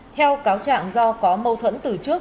theo cáo trạng do có mâu thuẫn từ trước